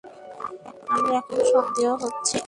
আমার এখন সন্দেহ হচ্ছে।